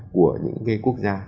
của những cái quốc gia